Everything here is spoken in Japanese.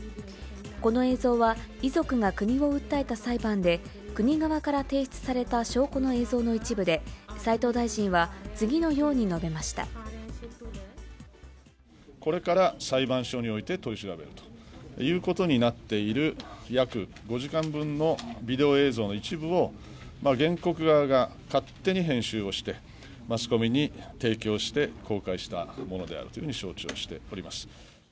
この映像は、遺族が国を訴えた裁判で国側から提出された証拠の映像の一部で、これから裁判所において取り調べるということになっている、約５時間分のビデオ映像の一部を、原告側が勝手に編集をして、マスコミに提供して公開したものであるというふうに承知をしております。